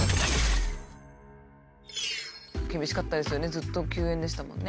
ずっと休演でしたもんね。